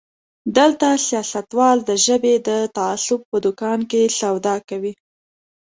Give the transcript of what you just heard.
دلته سياستوال د ژبې د تعصب په دوکان سودا کوي.